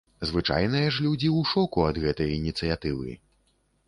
Звычайныя ж людзі ў шоку ад гэтай ініцыятывы.